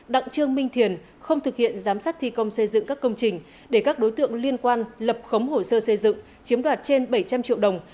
đặng trương minh thiền không thực hiện giám sát thi công xây dựng các công trình để các đối tượng liên quan lập khống hồ sơ xây dựng chiếm đoạt trên bảy trăm linh triệu đồng